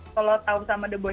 kalau tau sama the boyz